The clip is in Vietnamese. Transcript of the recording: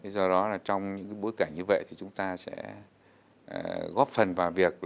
do đó trong những bối cảnh như vậy thì chúng ta sẽ góp phần vào việc